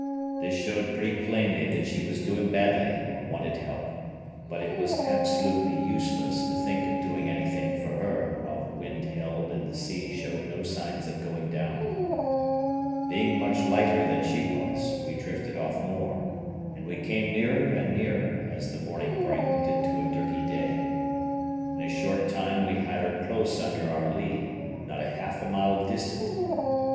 This showed pretty plainly that she was doing badly and wanted help, but it was absolutely useless to think of doing anything for her while the wind held and the sea showed no signs of going down. Being much lighter than she was, we drifted off more, and we came nearer and nearer as the morning brightened into a dirty day. In a short time we had her close under our lee, not half a mile distant.